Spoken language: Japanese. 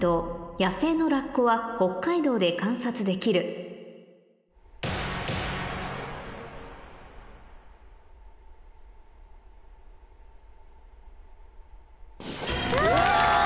野生のラッコは北海道で観察できるわぁ！